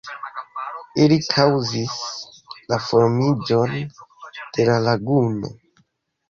Ili kaŭzis la formiĝon de la laguno.